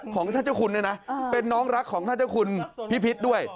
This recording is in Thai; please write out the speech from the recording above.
ของท่านเจ้าคุณเนี่ยนะเป็นน้องรักของท่านเจ้าคุณพิพิษด้วย